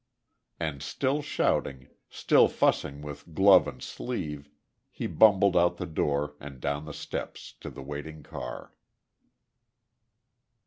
And still shouting, still fussing with glove and sleeve, he bumbled out the door, and down the steps to the waiting car.